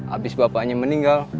abis bapaknya meninggal